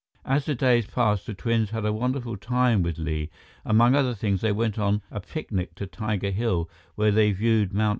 As the days passed, the twins had a wonderful time with Li. Among other things, they went on a picnic to Tiger Hill, where they viewed Mt.